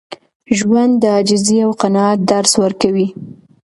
ژوند د عاجزۍ او قناعت درس ورکوي.